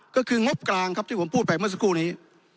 ก็คืองบกลางครับที่ผมพูดไปเมื่อสักครู่นี้